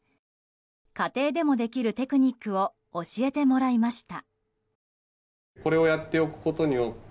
家庭でもできるテクニックを教えてもらいました。